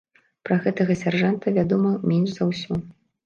Пра гэтага сяржанта вядома менш за ўсё.